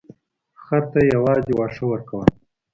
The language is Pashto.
خر ته یې یوازې واښه ورکول.